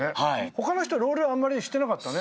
他の人ロールあんまりしてなかったね。